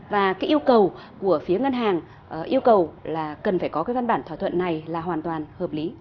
và cái yêu cầu của phía ngân hàng yêu cầu là cần phải có cái văn bản thỏa thuận này là hoàn toàn hợp lý